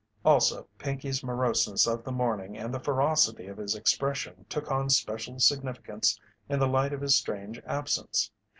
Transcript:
Also Pinkey's moroseness of the morning and the ferocity of his expression took on special significance in the light of his strange absence.